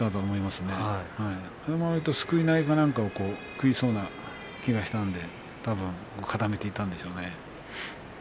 そのあと、すくい投げなどを食いそうな気がしたのでたぶん固めていったのでしょうね。